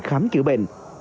khám chữa bệnh